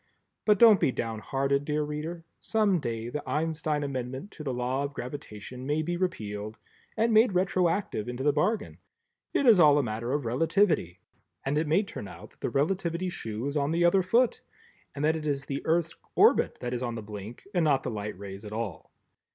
But don't be down hearted, dear Reader, some day the Einstein Amendment to the Law of Gravitation may be repealed, and made retroactive into the bargain; it is all a matter of Relativity and it may turn out that the Relativity shoe is on the other foot and that it is the Earth's orbit that is on the blink and not the light rays at all.